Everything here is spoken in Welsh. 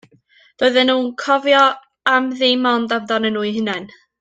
Doedden nhw'n cofio am ddim ond amdanyn nhw eu hunain.